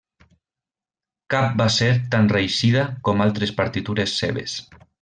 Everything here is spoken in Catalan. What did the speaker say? Cap va ser tan reeixida com altres partitures seves.